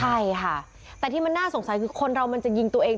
ใช่ค่ะแต่ที่มันน่าสงสัยคือคนเรามันจะยิงตัวเอง